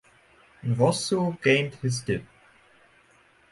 Nwosu gained his Dip.